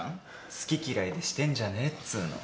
好き嫌いでしてんじゃねえっつうの。